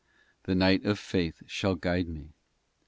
The night of faith shall guide me.